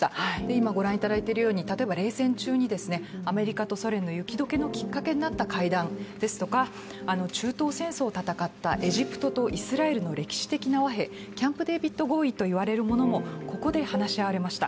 今ご覧いただいているように、冷戦中にアメリカとソ連の雪解けのきっかけになった会談だとか中東戦争を戦ったエジプトとイスラエルの歴史的和平、キャンプデービッド合意といわれるものもここで話し合われました。